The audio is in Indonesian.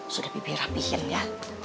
sudah dibirah bihin ya